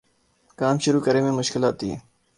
کام شروع کرے میں مشکل آتی ہے